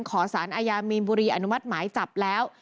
ขอสารอาญามีนบุรีอนุมัติหมายจับแล้ว